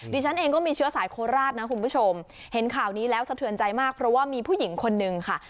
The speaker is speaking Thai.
ดิฉันเองก็มีเชื้อสายโคราชนะคุณผู้ชมเห็นข่าวนี้แล้วสะเทือนใจมากเพราะว่ามีผู้หญิงคนนึงค่ะ